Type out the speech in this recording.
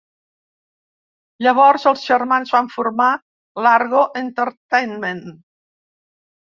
Llavors els germans van formar Largo Entertainment.